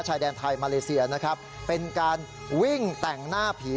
ชายแดนไทยมาเลเซียนะครับเป็นการวิ่งแต่งหน้าผี